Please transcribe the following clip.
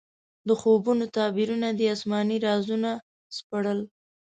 د خوبونو تعبیرونه دې اسماني رازونه سپړل.